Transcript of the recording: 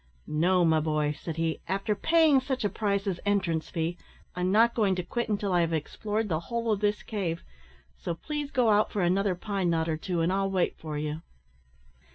"No, my boy," said he, "after paying such a price as entrance fee, I'm not going to quit until I have explored the whole of this cave, so please go out for another pine knot or two, and I'll wait for you."